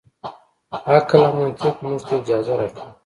عقل او منطق موږ ته اجازه راکوي.